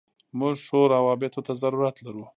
موږ ښو راوبطو ته ضرورت لرو.